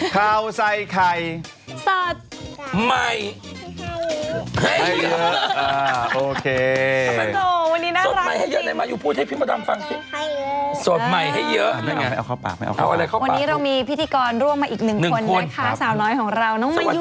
ข่าวใส่ไข่สดใหม่ให้เยอะ